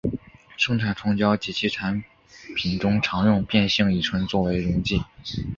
生产虫胶及其产品中常用变性乙醇作为溶剂。